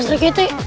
pak sri giti